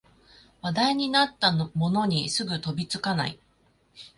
話題になったものにすぐに飛びつかない